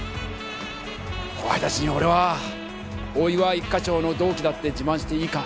後輩たちに俺は大岩一課長の同期だって自慢していいか？